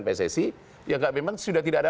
pssi ya memang sudah tidak ada